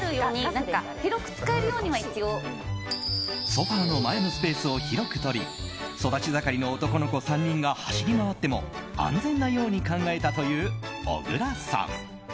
ソファの前のスペースを広くとり育ち盛りの男の子３人が走り回っても安全なように考えたという小倉さん。